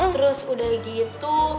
terus udah gitu